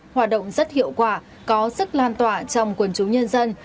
hoạt động rất hiệu quả có sức lan tỏa trong quần chúng nhân dân